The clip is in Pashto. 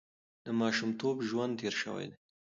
د ماشومتوب ژوند تېر شوی دی.